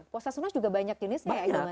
puasa sunnah juga banyak jenisnya ya